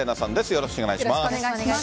よろしくお願いします。